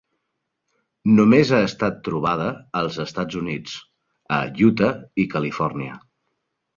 Només ha estat trobada als Estats Units, a Utah i Califòrnia.